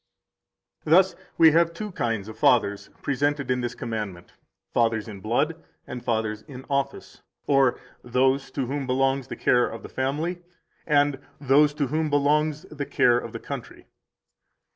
158 Thus we have two kinds of fathers presented in this commandment, fathers in blood and fathers in office, or those to whom belongs the care of the family, and those to whom belongs the care of the country.